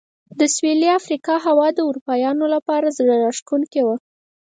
د سوېلي افریقا هوا د اروپایانو لپاره زړه راښکونکې وه.